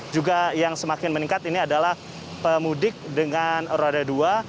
juga yang semakin meningkat ini adalah pemudik dengan roda dua